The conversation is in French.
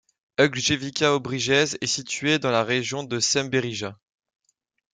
Ugljevička Obrijež est située dans la région de Semberija.